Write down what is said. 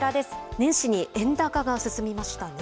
年始に円高が進みましたね。